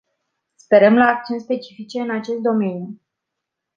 Sperăm la acțiuni specifice în acest domeniu.